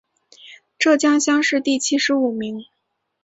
浙江乡试第七十五名。